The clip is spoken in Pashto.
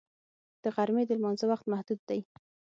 د غرمې د لمانځه وخت محدود دی